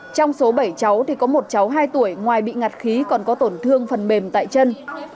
trong số bảy cháu thì có một cháu hai tuổi ngoài bị ngạt khí còn có tổn thương phần bềm tại chân